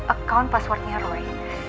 akaun pasangan mereka